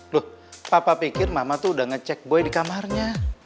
loh papa pikir mama tuh udah ngecek boy di kamarnya